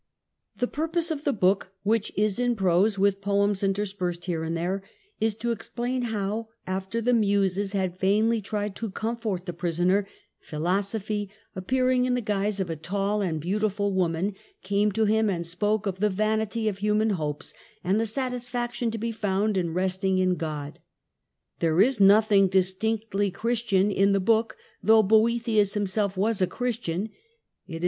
The purpose of the book, which is in prose, with poems interspersed here and there, is to explain how, after the Muses had vainly tried to comfort the prisoner, Philo sophy, appearing in the guise of a tall and beautiful woman, came to him and spoke of the vanity of human hopes, and the satisfaction to be found in resting in God. There is nothing distinctively Christian in the book, though Boethius himself was a Christian ; it is